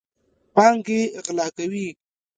پانګې غلا کوي.